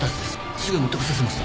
すぐ持ってこさせます。